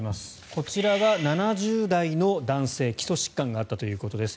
こちらは７０代の男性基礎疾患があったということです。